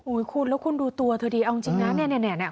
อุ้ยคุณแล้วคุณดูตัวเถอะดีอะจริงนะเนี่ยแน่เนี่ย